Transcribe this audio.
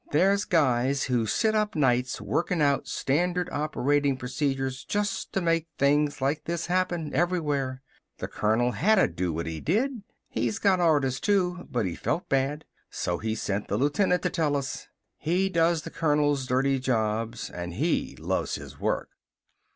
"There's guys who sit up nights workin' out standard operational procedures just to make things like this happen, everywhere. The colonel hadda do what he did. He's got orders, too. But he felt bad. So he sent the lieutenant to tell us. He does the colonel's dirty jobs and he loves his work."